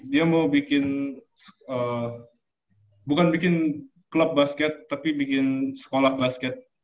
dia mau bikin bukan bikin klub basket tapi bikin sekolah basket